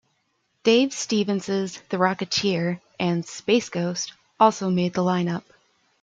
Dave Stevens's "The Rocketeer" and "Space Ghost" also made the line-up.